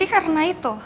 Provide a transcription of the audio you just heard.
jadi karena itu